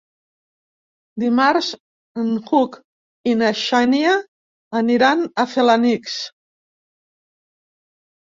Dimarts n'Hug i na Xènia aniran a Felanitx.